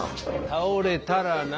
倒れたらな。